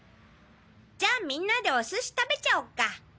じゃあみんなでお寿司食べちゃおっか。